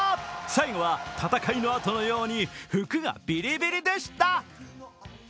最後は戦いのあとのように服がビリビリでした。